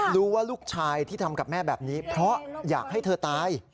รู้ว่าลูกชายที่ทำกับแม่แบบนี้เพราะอยากให้เธอตาย